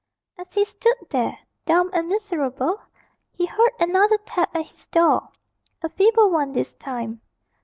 As he stood there, dumb and miserable, he heard another tap at his door a feeble one this time.